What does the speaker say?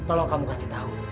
tolong kamu kasih tahu